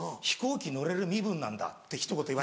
飛行機乗れる身分なんだ」って。